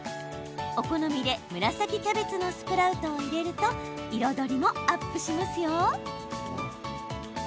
お好みで紫キャベツのスプラウトを入れると彩りもアップしますよ。